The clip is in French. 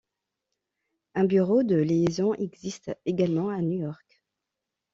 Un bureau de liaison existe également à New-York.